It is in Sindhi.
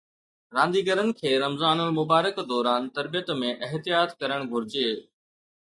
رانديگرن کي رمضان المبارڪ دوران تربيت ۾ احتياط ڪرڻ گهرجي